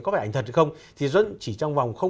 có vẻ ảnh thật hay không thì chỉ trong vòng